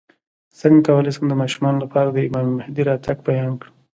څنګه کولی شم د ماشومانو لپاره د امام مهدي راتګ بیان کړم